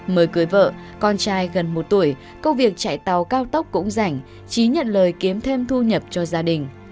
mườ cưới vợ con trai gần một tuổi công việc chạy tàu cao tốc cũng rảnh trí nhận lời kiếm thêm thu nhập cho gia đình